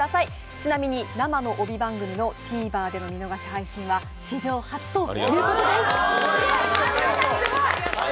ちなみに、生の帯番組のＴＶｅｒでの見逃し配信は史上初ということです。